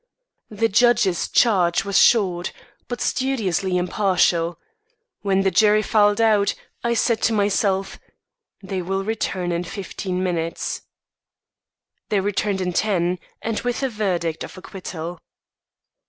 The judge's charge was short, but studiously impartial. When the jury filed out, I said to myself, "They will return in fifteen minutes." They returned in ten, with a verdict of acquittal.